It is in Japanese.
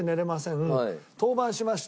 登板しました